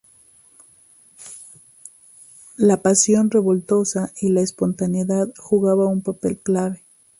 La pasión revoltosa y la espontaneidad jugaban un papel clave.